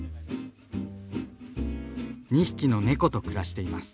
２匹の猫と暮らしています。